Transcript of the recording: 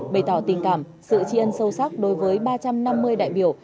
bày tỏ tình cảm sự tri ân sâu sắc đối với ba trăm năm mươi đại biểu